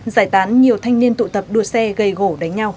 giải tán nhiều thanh niên tụ tập đua xe gây gỗ đánh nhau